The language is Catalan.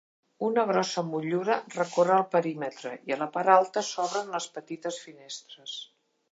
Una grossa motllura recorre el perímetre i a la part alta s'obren les petites finestres.